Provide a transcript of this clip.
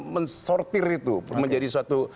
mensortir itu menjadi suatu pemain judi